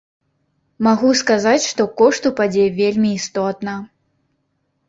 Магу сказаць, што кошт упадзе вельмі істотна.